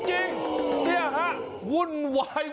จริงเนี่ยค่ะ